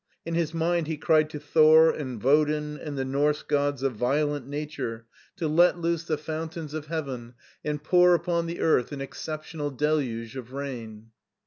In his mind he cried to Thor and Wodin and the Norse gods of violent nature to let loose the fountains of SCHWARZWALD 241 heaven and pour upon the earth an exceptional deluge of rain.